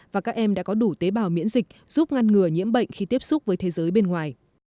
và các em đã có đủ tế bào miễn dịch giúp ngăn ngừa nhiễm bệnh khi tiếp xúc với thế giới bên ngoài